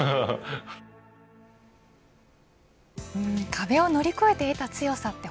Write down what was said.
壁を乗り越えて得た強さって